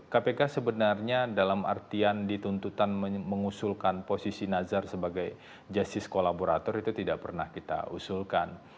kpk sebenarnya dalam artian dituntutan mengusulkan posisi nazar sebagai justice kolaborator itu tidak pernah kita usulkan